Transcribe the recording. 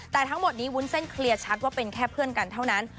แต่ทั้งหมดนี้วุ้นเส้นเคลียร์ชัดว่าเป็นแค่เพื่อนกันเท่านั้น